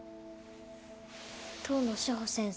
遠野志保先生。